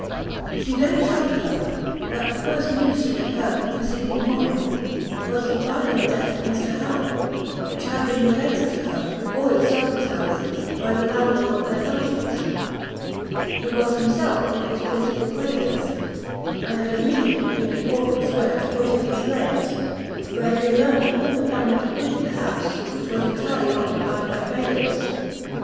She then told her, that the first news she had heard the preceding morning, was the violent death of Mr Harrel, which had been related to her, with all its circumstances, by the landlord of their lodgings, who was himself one of his principal creditors, and had immediately been at Portman square to put in his claims; where he had learnt that all the family had quitted the house, which was entirely occupied by bailiffs.